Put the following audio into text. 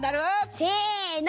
せの。